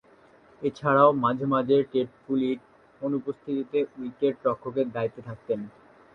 এছাড়াও মাঝে-মধ্যে টেড পুলি’র অনুপস্থিতিতে উইকেট-রক্ষকের দায়িত্বে থাকতেন।